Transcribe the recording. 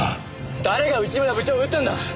誰が内村部長を撃ったんだ？